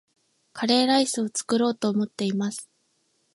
カレーライスを作ろうと思っています